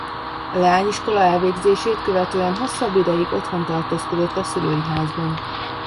A leányiskola elvégzését követően hosszabb ideig otthon tartózkodott a szülői házban.